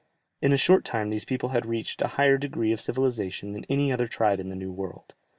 In a short time these people had reached a higher degree of civilization than any other tribe in the New World.